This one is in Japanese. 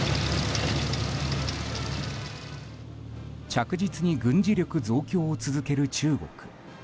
着実に軍事力増強を続ける中国。